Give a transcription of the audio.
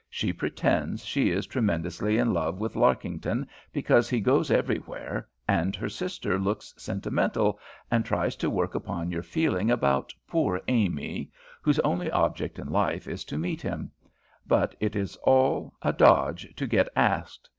She pretends she is tremendously in love with Larkington because he goes everywhere, and her sister looks sentimental, and tries to work upon your feelings about 'poor Amy,' whose only object in life is to meet him; but it is all a dodge to get asked.